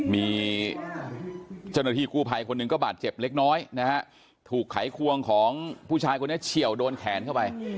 มีเจ้าหน้าที่กู้ภัยคนหนึ่งก็บาดเจ็บเล็กน้อยนะฮะถูกไขควงของผู้ชายคนนี้เฉียวโดนแขนเข้าไป